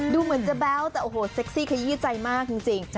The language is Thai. ดูเหมือนจะแบ๊วแต่โอ้โหเซ็กซี่ขยี้ใจมากจริง